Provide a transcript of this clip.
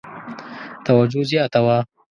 توجه زیاته وه.